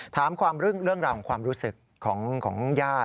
ถามความเรื่องราวของความรู้สึกของญาติ